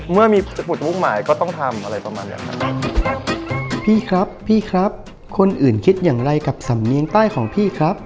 เมื่อมีฝึกภาษาอังกฤษก็ต้องทำอะไรประมาณนี้